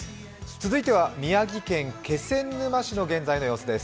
続いては宮城県気仙沼市の現在の様子です。